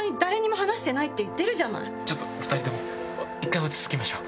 ちょっと２人とも一回落ち着きましょう。